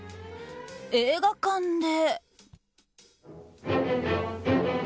映画館で。